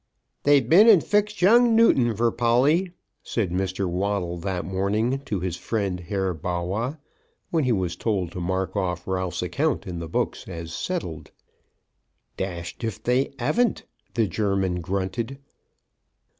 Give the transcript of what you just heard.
"They've been and fixed young Newton for Polly," said Mr. Waddle that morning, to his friend Herr Bawwah, when he was told to mark off Ralph's account in the books as settled. "Dashed if they 'aven't," the German grunted.